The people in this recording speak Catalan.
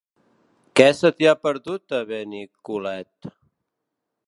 Què se t'hi ha perdut, a Benicolet?